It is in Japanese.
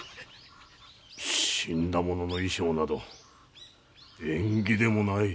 死んだ者の衣装など縁起でもない。